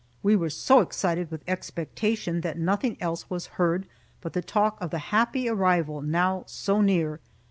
We were so excited with expectation that nothing else was heard but the talk of the happy arrival, now so near.